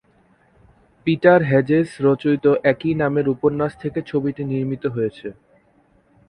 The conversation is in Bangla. পিটার হেজেস রচিত একই নামের উপন্যাস থেকে ছবিটি নির্মীত হয়েছে।